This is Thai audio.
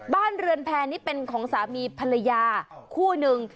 บ้านเรือนแพรนี่เป็นของสามีภรรยาคู่หนึ่ง